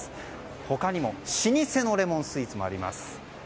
他にも老舗のレモンスイーツもあります。